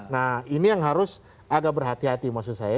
nah ini yang harus agak berhati hati maksud saya